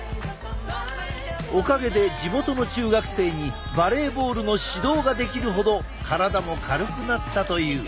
おかげで地元の中学生にバレーボールの指導ができるほど体も軽くなったという。